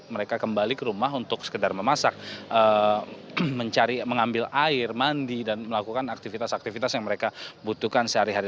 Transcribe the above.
mereka kembali ke rumah untuk sekedar memasak mencari mengambil air mandi dan melakukan aktivitas aktivitas yang mereka butuhkan sehari hari